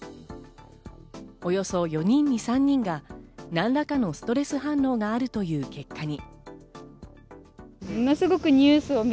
およそ４人に３人が何らかのストレス反応があるという結果に。